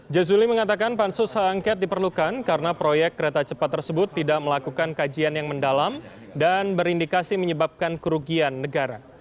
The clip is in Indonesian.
jazuli mengatakan pansus h angket diperlukan karena proyek kereta cepat tersebut tidak melakukan kajian yang mendalam dan berindikasi menyebabkan kerugian negara